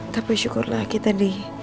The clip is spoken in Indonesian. tapi syukurlah kita di